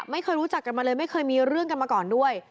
ไม่เคยรู้จักกันมาเลยไม่เคยมีเรื่องกันมาก่อนด้วย